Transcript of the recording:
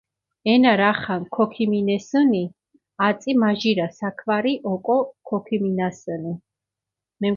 ენა რახან ქოქიმინესჷნი, აწი მაჟირა საქვარი ოკო ქოქიმინასჷნი.